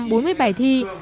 có tổng điểm trắc nghiệm